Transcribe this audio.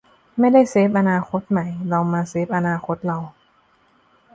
'ไม่ได้มาเซฟอนาคตใหม่ เรามาเซฟอนาคตเรา'